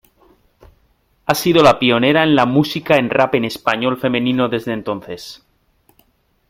Ha sido la pionera en la musica en rap en español femenino desde entonces.